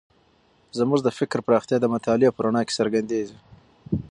زموږ د فکر پراختیا د مطالعې په رڼا کې څرګندېږي.